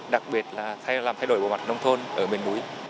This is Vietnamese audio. đặc biệt là thay đổi bộ mặt nông thôn ở miền mũi